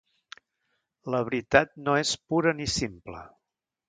La veritat no és pura ni simple.